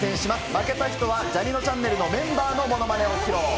負けた人はジャにのちゃんねるのメンバーのものまねを披露。